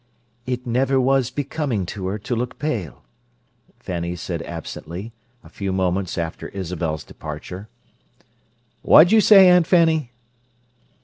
"It never was becoming to her to look pale," Fanny said absently, a few moments after Isabel's departure. "Wha'd you say, Aunt Fanny?"